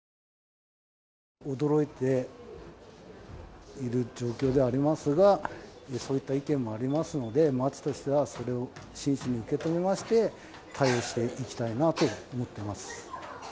驚いている状況ではありますが、そういった意見もありますので、町としてはそれを真摯に受け止めまして、対応していきたいなと思ってます。